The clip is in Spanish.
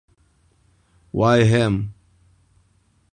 Why Him?